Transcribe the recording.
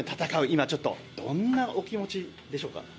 今、どんなお気持ちでしょうか？